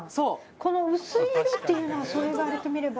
この薄い色っていうのがそう言われてみれば。